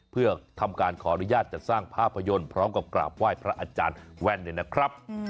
เพื่อทำการขออนุญาตจัดสร้างภาพยนตร์พร้อมกับกราบไหว้พระอาจารย์แว่นด้วยนะครับ